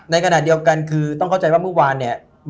ในขณะเดียวกันต้องเข้าใจว่าเมื่อวาน